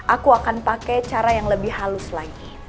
aku akan pakai cara yang lebih halus lagi